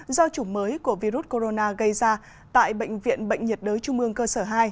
do chủng mới của virus corona gây ra tại bệnh viện bệnh nhiệt đới trung ương cơ sở hai